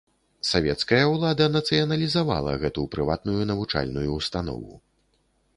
Савецкая ўлада нацыяналізавала гэту прыватную навучальную ўстанову.